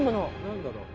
何だろう？